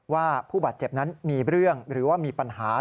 ว่าผู้บาดเจ็บนั้นมีเรื่องหรือว่ามีปัญหา